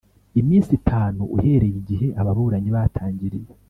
iminsi itanu uhereye igihe ababuranyi batangiriye